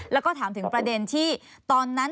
แล้วก็ถามถึงประเด็นที่ตอนนั้น